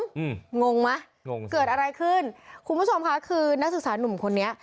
อืมงงไหมงงสิเกิดอะไรขึ้นคุณผู้ชมค่ะคือนักศึกษานุ่มคนนี้